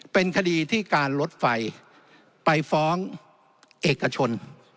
เป็นคดีที่การลดไฟไปฟ้องเอกชน